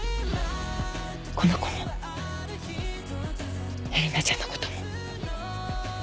この子も英玲奈ちゃんのことも。